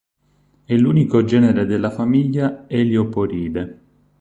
È l'unico genere della famiglia Helioporidae.